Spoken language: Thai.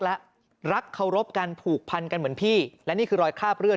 และรักเคารพกันผูกพันกันเหมือนพี่และนี่คือรอยคราบเลือด